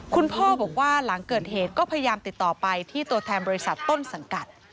คุณพ่อบอกว่าหลังเกิดเหตุก็พยายามติดต่อไปที่ตัวแทนบริษัทต้นสังกัด